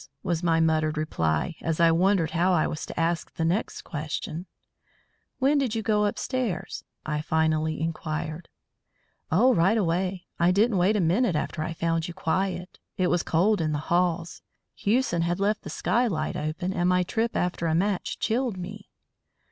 was my muttered reply, as I wondered how I was to ask the next question. "When did you go upstairs?" I finally inquired. "Oh, right away. I didn't wait a minute after I found you quiet. It was cold in the halls Hewson had left the sky light open, and my trip after a match chilled me."